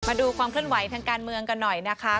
มาดูความเคลื่อนไหวทางการเมืองกันหน่อยนะคะ